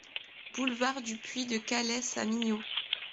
Boulevard du Puits de Calès à Millau